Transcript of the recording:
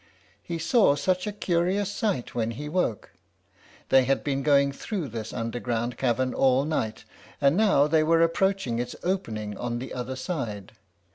He saw such a curious sight when he woke! They had been going through this underground cavern all night, and now they were approaching its opening on the other side.